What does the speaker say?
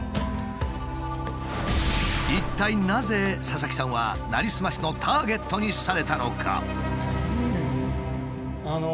一体なぜ佐々木さんはなりすましのターゲットにされたのか？